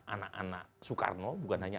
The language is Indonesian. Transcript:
anak anak soekarno bukan hanya